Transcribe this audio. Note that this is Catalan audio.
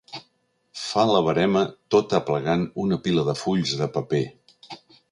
Fa la verema tot aplegant una pila de fulls de paper.